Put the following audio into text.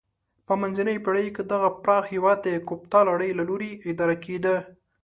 په منځنیو پیړیو کې دغه پراخ هېواد د کوپتا لړۍ له لوري اداره کېده.